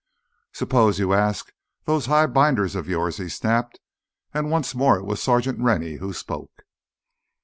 "Suppose you ask those high binders of yours!" he snapped. And once more it was Sergeant Rennie who spoke.